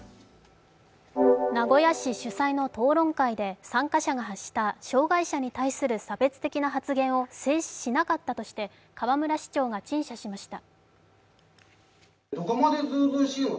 名古屋市主催の討論会で参加者が発した障害者に対する差別的な発言を制止しなかったとして河村市長が陳謝しました。